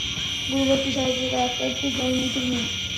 গুরুভক্তিই সর্বপ্রকার আধ্যাত্মিক উন্নতির মূল।